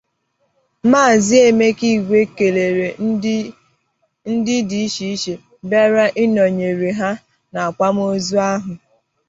Maazị Emeka Igwe kèlère ndị dị iche iche bịara ịnọnyere ha n'akwamozu ahụ